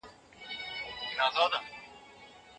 کونړ او خیبر پوري ټولو پښتنو لبیک ویلی دی.